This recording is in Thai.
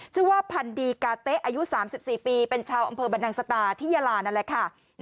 ชื่อว่าพันดีกาเต๊ะอายุ๓๔ปีเป็นชาวอำเภอบรรนังสตาที่ยาลานั่นแหละค่ะ